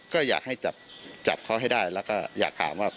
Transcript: ก็อยากให้จับเขาให้ได้แล้วก็อยากถามว่า